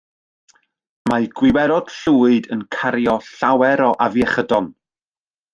Mae gwiwerod llwyd yn cario llawer o afiechydon.